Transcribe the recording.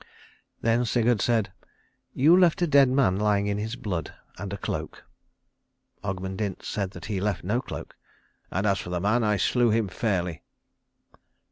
Then Sigurd said, "You left a dead man lying in his blood, and a cloak." Ogmund Dint said that he left no cloak, "and as for the man, I slew him fairly."